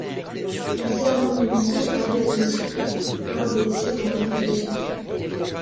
Il sert à communiquer avec les esprit lors des cérémonies de guérison.